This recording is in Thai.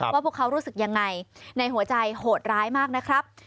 พวกเขารู้สึกยังไงในหัวใจโหดร้ายมากนะครับ